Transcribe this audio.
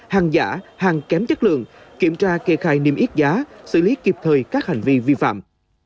hàng giả hàng kém chất lượng kiểm tra kê khai niêm yết giá xử lý kịp thời các hành vi vi phạm